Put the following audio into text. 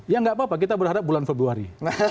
ya nggak apa apa kita berharap bulan februari